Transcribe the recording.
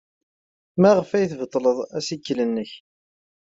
Maɣef ay tbeṭleḍ assikel-nnek?